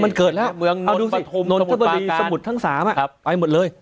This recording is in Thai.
มันเกิดแล้วนนทบุรีสมุทรทั้ง๓ไปหมดเลย